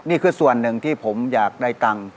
นี่คือส่วนหนึ่งที่ผมอยากได้ตังค์